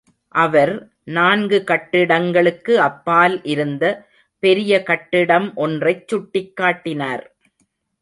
அவர், நான்கு கட்டிடங்களுக்கு அப்பால் இருந்த பெரிய கட்டிடம் ஒன்றைச் சுட்டிக் காட்டினார்.